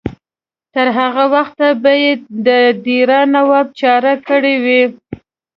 تر هغه وخته به یې د دیر نواب چاره کړې وي.